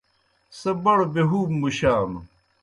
سہ بڑوْ بے ہُوب مُشانوْ۔